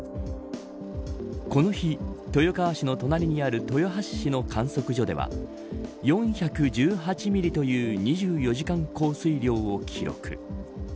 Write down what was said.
この日、豊川市の隣にある豊橋市の観測所では４１８ミリという２４時間降水量を記録。